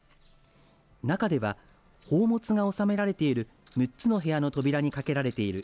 中では宝物が収められている６つの扉にかけられている。